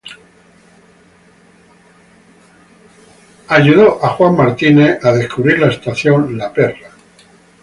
Ayudó a John Locke a descubrir la estación "La Perla".